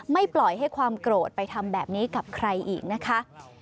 ปล่อยให้ความโกรธไปทำแบบนี้กับใครอีกนะคะ